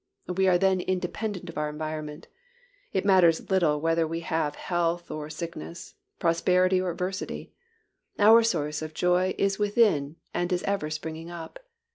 We are then independent of our environment. It matters little whether we have health or sickness, prosperity or adversity, our source of joy is within and is ever springing up.